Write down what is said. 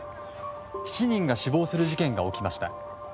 ７人が死亡する事件が起きました。